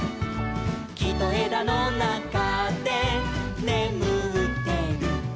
「きとえだのなかでねむってる」